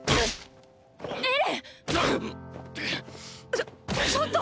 ちょっちょっと！！